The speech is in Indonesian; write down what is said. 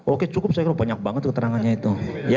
oke cukup saya kira banyak banget keterangannya itu